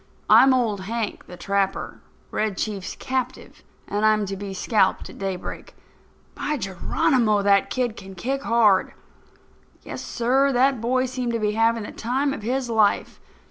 I'm Old Hank, the Trapper, Red Chief's captive, and I'm to be scalped at daybreak. By Geronimo! that kid can kick hard." Yes, sir, that boy seemed to be having the time of his life.